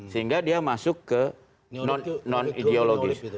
sehingga dia masuk ke non ideologis